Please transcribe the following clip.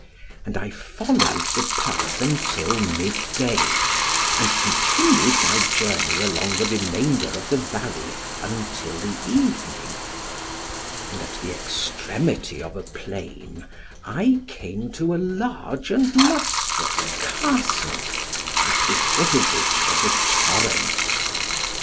And I followed the path until mid day, and continued my journey along the remainder of the valley until the evening; and at the extremity of a plain I came to a large and lustrous Castle, at the foot of which was a torrent.